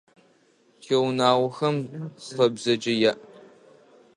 Тигъунэгъухэм хьэ бзэджэ яӏ.